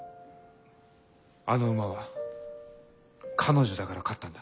あの馬は彼女だから勝ったんだ。